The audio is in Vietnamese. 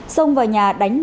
sông vào nhà đánh bóng